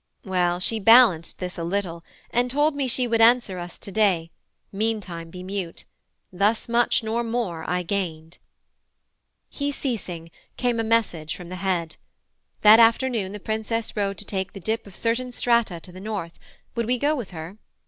Well, she balanced this a little, And told me she would answer us today, meantime be mute: thus much, nor more I gained.' He ceasing, came a message from the Head. 'That afternoon the Princess rode to take The dip of certain strata to the North. Would we go with her?